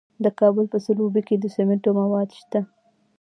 د کابل په سروبي کې د سمنټو مواد شته.